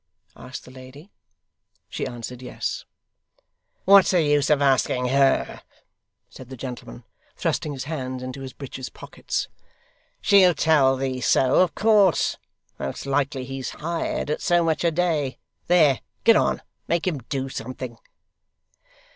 asked the lady. She answered yes. 'What's the use of asking HER?' said the gentleman, thrusting his hands into his breeches pockets. 'She'll tell thee so, of course. Most likely he's hired, at so much a day. There. Get on. Make him do something.